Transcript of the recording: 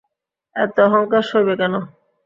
এত অহংকার সইবে কেন।